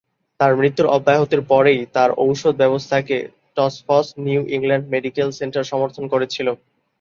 তার মৃত্যুর অব্যবহিত পরেই, তার ঔষধ ব্যবস্থাকে টফ্টস-নিউ ইংল্যান্ড মেডিকেল সেন্টার সমর্থন করেছিল।